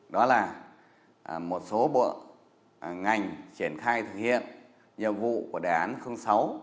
đó là một số bộ ngành triển khai thực hiện nhiệm vụ của đề án sáu